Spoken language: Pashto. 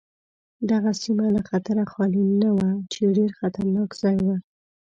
دغه سیمه له خطره خالي نه وه چې ډېر خطرناک ځای و.